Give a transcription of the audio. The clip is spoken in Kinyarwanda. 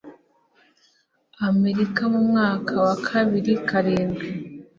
Amerika mu mwaka wa bibiri karindwi